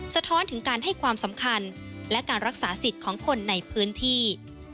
สะท้อนถึงการให้ความสำคัญและการรักษาสิทธิ์ของคนในพื้นที่